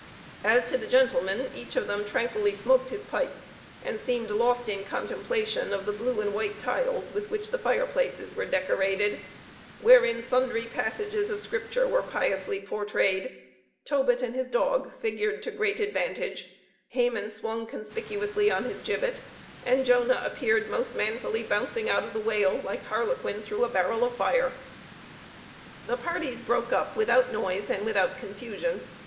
As to the gentlemen, each of them tranquilly smoked his pipe, and seemed lost in contemplation of the blue and white tiles with which the fireplaces were decorated; wherein sundry passages of Scripture were piously portrayed Tobit and his dog figured to great advantage, Haman swung conspicuously on his gibbet, and Jonah appeared most manfully bouncing out of the whale like Harlequin through a barrel of fire. The parties broke up without noise and without confusion.